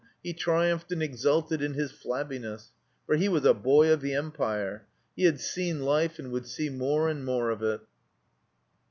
He triumphed and exulted in his flabbiness. For he was a Boy of the Empire. He had seen Life, and would see more and more of it.